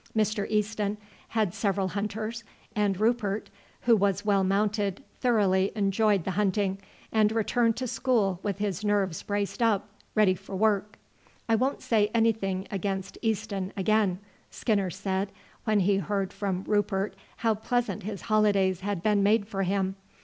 Mr. Easton had several hunters, and Rupert, who was well mounted, thoroughly enjoyed the hunting, and returned to school with his nerves braced up, ready for work. "I won't say anything against Easton again," Skinner said when he heard from Rupert how pleasant his holidays had been made for him.